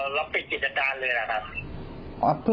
อ๋อแล้วปิดจิตดาลเลยนะครับ